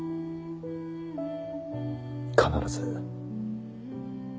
必ず。